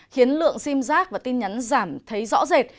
khiến lượng xim rác và tin nhắn giảm thấy rõ rệt